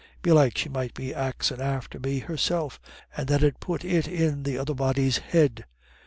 Belike she might be axin' after me herself, and that 'ud put it in the other body's head.